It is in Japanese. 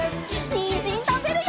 にんじんたべるよ！